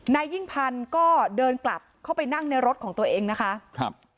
นายยิ่งพันธุ์ก็เดินกลับเข้าไปนั่งในรถของตัวเองนะคะครับ